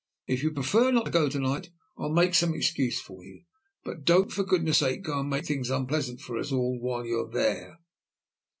If you prefer not to go to night, I'll make some excuse for you, but don't, for goodness' sake, go and make things unpleasant for us all while you're there."